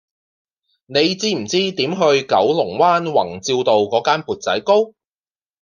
你知唔知點去九龍灣宏照道嗰間缽仔糕